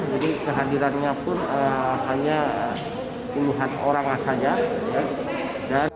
jadi kehadirannya pun hanya puluhan orang saja